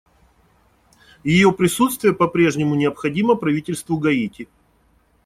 Ее присутствие по-прежнему необходимо правительству Гаити.